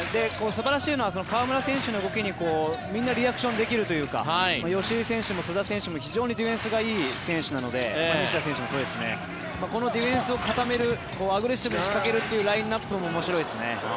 素晴らしいのは河村選手の動きに、みんなリアクションできるというか吉井選手も須田選手も非常にディフェンスがいい選手なのでこのディフェンスを固めるアグレッシブに仕掛けるというラインアップも面白いですね。